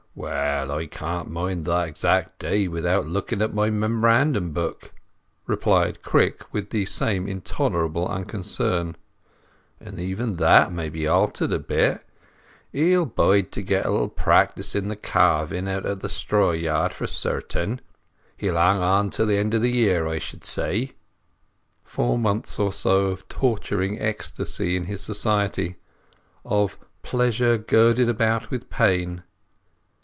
"Well, I can't mind the exact day without looking at my memorandum book," replied Crick, with the same intolerable unconcern. "And even that may be altered a bit. He'll bide to get a little practice in the calving out at the straw yard, for certain. He'll hang on till the end of the year I should say." Four months or so of torturing ecstasy in his society—of "pleasure girdled about with pain".